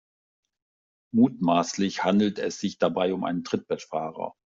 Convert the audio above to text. Mutmaßlich handelt es sich dabei um einen Trittbrettfahrer.